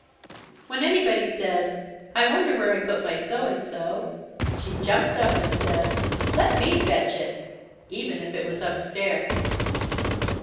When anybody said, "I wonder where I put my so and so," she jumped up and said, "Let me fetch it," even if it was upstairs.